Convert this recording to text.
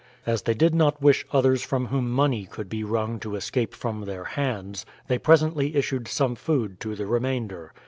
As they did not wish others from whom money could be wrung to escape from their hands, they presently issued some food to the remainder.